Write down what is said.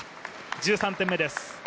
１３点目です。